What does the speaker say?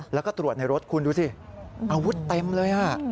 แล้วก็ตรวจในรถคุณดูสิอาวุธเต็มเลย